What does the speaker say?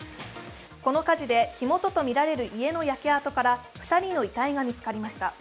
この火事で火元と見られる家の焼け跡から２人の遺体が見つかりました。